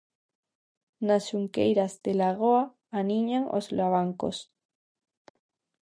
Nas xunqueiras da lagoa aniñan os lavancos.